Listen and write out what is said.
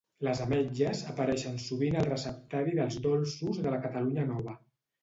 Les ametlles apareixen sovint al receptari dels dolços de la Catalunya Nova